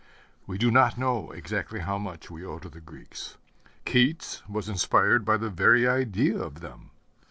We do not know exactly how much we owe to the Greeks. Keats was inspired by the very idea of them.